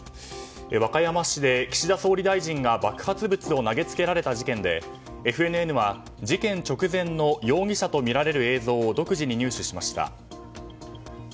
和歌山市で岸田総理大臣が爆発物を投げつけられた事件でＦＮＮは事件直前の容疑者とみられる映像を独自に入手しました。